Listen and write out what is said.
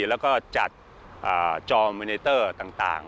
แล้วก็จัดจองมิเนเตอร์ต่าง